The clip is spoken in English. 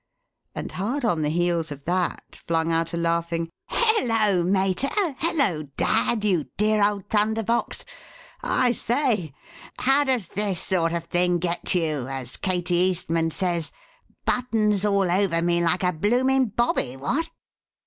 and hard on the heels of that flung out a laughing, "Hullo, mater? Hullo, dad? you dear old Thunder Box! I say! 'How does this sort of thing get you?' as Katie Eastman says. Buttons all over me, like a blooming Bobby! What?"